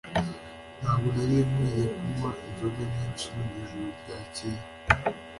Ntabwo nari nkwiye kunywa inzoga nyinshi mwijoro ryakeye.